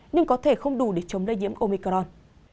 nhưng có thể không đủ để chống lây nhiễm omicron